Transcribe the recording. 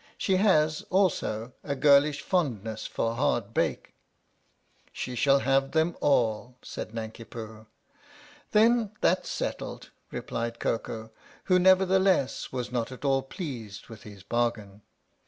She has, also, a girlish fondness for hardbake." " She shall have them all," said Nanki Poo. "Then that's settled," replied Koko, who, never theless, was not at all pleased with his bargain.